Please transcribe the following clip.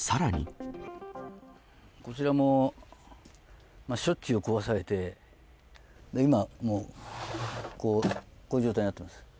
こちらも、しょっちゅう壊されて、今、もうこういう状態になっています。